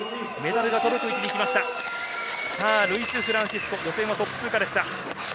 ルイス・フランシスコ、予選はトップ通過でした。